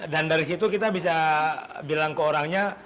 dan dari situ kita bisa beritahu orangnya